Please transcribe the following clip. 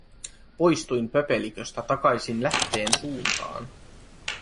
Poistuin pöpeliköstä takaisin lähteen suuntaan.